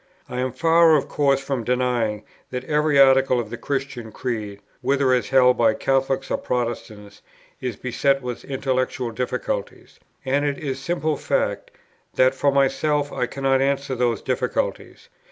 I am far of course from denying that every article of the Christian Creed, whether as held by Catholics or by Protestants, is beset with intellectual difficulties; and it is simple fact, that, for myself, I cannot answer those difficulties.